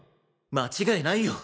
間違いないよ！